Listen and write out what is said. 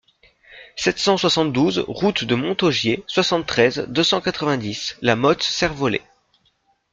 sept cent soixante-douze route de Montaugier, soixante-treize, deux cent quatre-vingt-dix, La Motte-Servolex